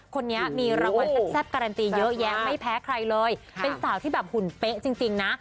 คนนี้มีรางวัลแซ่บการันตีเยอะแยะไม่แพ้ใครเลยเป็นสาวที่แบบหุ่นเป๊ะจริงนะ